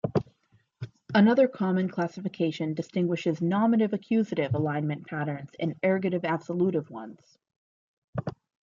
Another common classification distinguishes nominative-accusative alignment patterns and ergative-absolutive ones.